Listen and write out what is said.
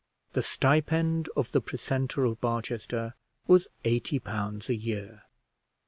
The stipend of the precentor of Barchester was eighty pounds a year.